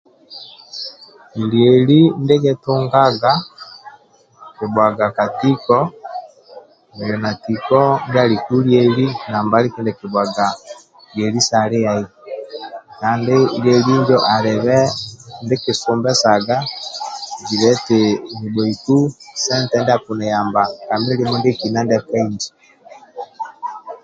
Lieli ndie kikolaga kibhuaga ka tiko nili na tiko ndia aliku nambali kindie nkibhuaga lieli sa liai kandi lilei injo alibe ndie kisumbesaga zibe eti nibhoiku sente ndia akiniyambaga milimo ndiekina ndia ka inji